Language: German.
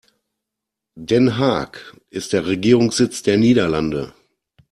Den Haag ist der Regierungssitz der Niederlande.